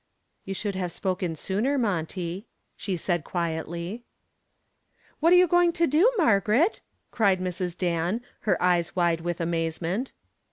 "You should have spoken sooner, Monty," she said quietly. "What are you going to do, Margaret?" cried Mrs. Dan, her eyes wide with amazement.